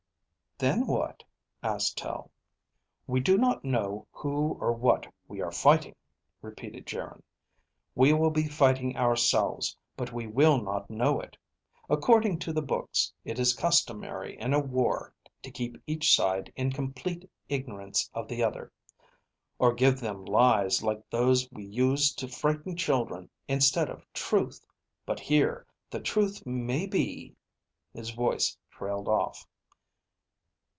"Then what?" asked Tel. "We do not know who or what we are fighting," repeated Geryn. "We will be fighting ourselves, but we will not know it. According to the books, it is customary in a war to keep each side in complete ignorance of the other. Or give them lies like those we use to frighten children instead of truth. But here the truth may be ..." His voice trailed off.